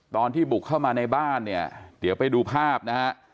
ตอนที่บุกเข้ามาในบ้านเนี่ยเดี๋ยวไปดูภาพนะฮะ